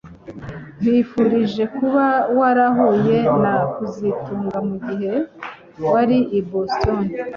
Nkwifurije kuba warahuye na kazitunga mugihe wari i Boston